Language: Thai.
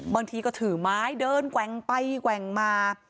บางทีก็ถือไม้เดินแกว่งไปแกว่งมา